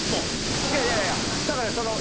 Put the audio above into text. いやいやいやだからその。